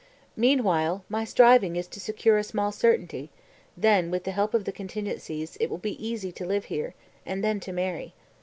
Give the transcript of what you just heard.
"Meanwhile my striving is to secure a small certainty; then with the help of the contingencies, it will be easy to live here; and then to marry.